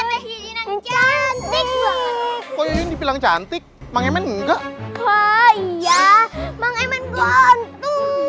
makasih ya diinang cantik kok ini bilang cantik mengenal enggak kayak mengenal gantung